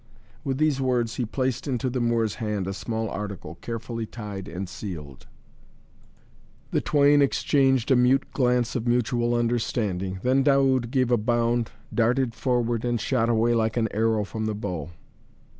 With these words he placed into the Moor's hand a small article, carefully tied and sealed. The twain exchanged a mute glance of mutual understanding, then Daoud gave a bound, darted forward and shot away like an arrow from the bow.